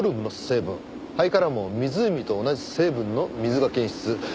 肺からも湖と同じ成分の水が検出。